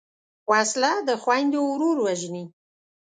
وسله د خویندو ورور وژني